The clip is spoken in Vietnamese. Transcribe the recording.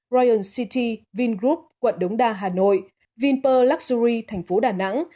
royal city vingroup quận đống đa hà nội vinpearl luxury thành phố đà nẵng